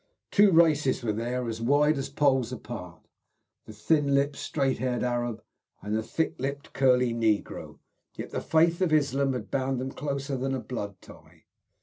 Two races were there, as wide as the poles apart the thin lipped, straight haired Arab and the thick lipped, curly negro yet the faith of Islam had bound them closer than a blood tie.